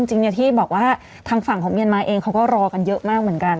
จริงที่บอกว่าทางฝั่งของเมียนมาเองเขาก็รอกันเยอะมากเหมือนกัน